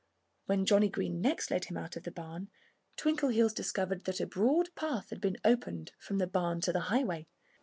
When Johnnie Green next led him out of the barn Twinkleheels discovered that a broad path had been opened from the barn to the highway.